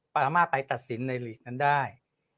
อาม่าไปตัดสินในหลีกนั้นได้